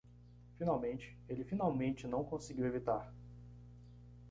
Finalmente, ele finalmente não conseguiu evitar.